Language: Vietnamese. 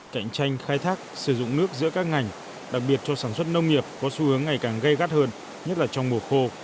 cạnh tranh khai thác sử dụng nước giữa các ngành đặc biệt cho sản xuất nông nghiệp có xu hướng ngày càng gây gắt hơn nhất là trong mùa khô